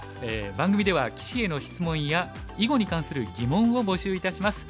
番組では棋士への質問や囲碁に関する疑問を募集いたします。